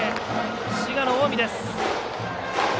滋賀の近江です。